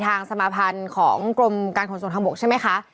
จะเอาสมภัณฑ์ของกรมการขนสมทางบกใช่ไหมครับ